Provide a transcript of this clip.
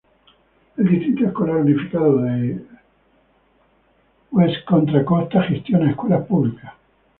El Distrito Escolar Unificado de West Contra Costa gestiona escuelas públicas.